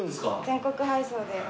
全国配送で。